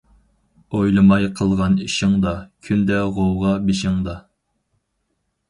ئويلىماي قىلغان ئىشىڭدا، كۈندە غوۋغا بېشىڭدا.